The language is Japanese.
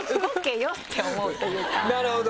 なるほど！